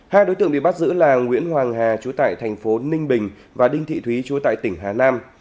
hai đối tượng bị bắt giữ là nguyễn hoàng hà chú tại thành phố ninh bình và đinh thị thúy chú tại tỉnh hà nam